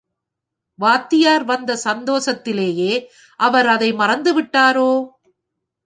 வாத்தியார் வந்த சந்தோஷத்திலேயே, அவர் அதை மறந்து விட்டாரோ?